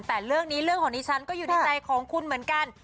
แต่เรื่องนี้เรื่องของดิฉันก็อยู่ในใจของคุณเหมือนกัน